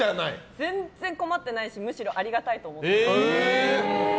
全然困ってないしむしろありがたいと思ってます。